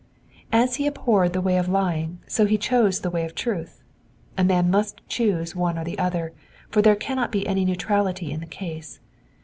''^ As he abhorred the way of lying, so he chose the way of truth : a man must choose one or the other, for tbeie cannot be any neutrality in the case.